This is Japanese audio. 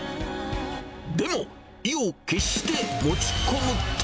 でも、意を決して持ち込むと。